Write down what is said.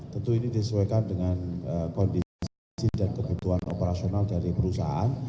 tentu ini disesuaikan dengan kondisi izin dan kebutuhan operasional dari perusahaan